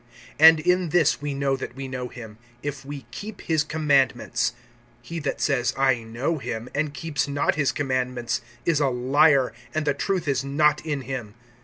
(3)And in this we know that we know him, if we keep his commandments. (4)He that says, I know him, and keeps not his commandments, is a liar, and the truth is not in him.